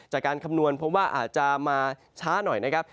คำนวณเพราะว่าอาจจะมาช้าหน่อยนะครับ